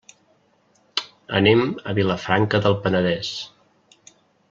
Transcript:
Anem a Vilafranca del Penedès.